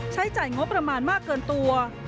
ใช้จ่ายงบประมาณมากเกินตัว